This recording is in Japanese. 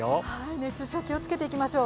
熱中症気をつけていきましょう。